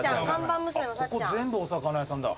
ここ全部お魚屋さんだ。